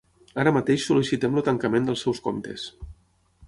Ara mateix sol·licitem el tancament dels seus comptes.